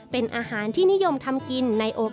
เป็นอาหารที่นิยมทำกินในโอกาสพิเศษ